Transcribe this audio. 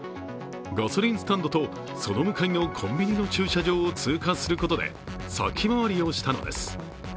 ガソリンスタンドとその向かいのコンビニの駐車場を通過することで先回りをしたのです。